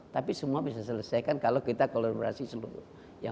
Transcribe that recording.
tapi semua bisa diselesaikan kalau kita kolaborasi seluruh